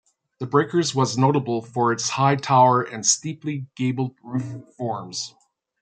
The Breakers was notable for its high tower and steeply-gabled roof forms.